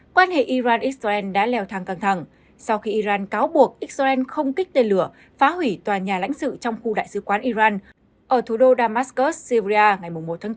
quan hệ iran israel đã leo thang căng thẳng sau khi iran cáo buộc israel không kích tên lửa phá hủy tòa nhà lãnh sự trong khu đại sứ quán iran ở thủ đô damascus syria ngày một tháng bốn